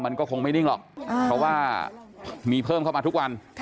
มันก็คงไม่นิ่งหรอกเพราะว่ามีเพิ่มเข้ามาทุกวัน